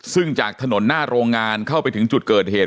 ซึ่งจากถนนหน้าโรงงานเข้าไปถึงจุดเกิดเหตุ